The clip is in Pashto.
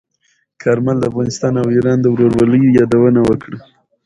کارمل د افغانستان او ایران د ورورولۍ یادونه وکړه.